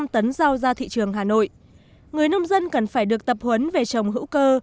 một năm tấn rau ra thị trường hà nội người nông dân cần phải được tập huấn về trồng hữu cơ